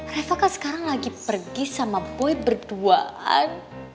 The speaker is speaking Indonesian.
reva kan sekarang lagi pergi sama boy berduaan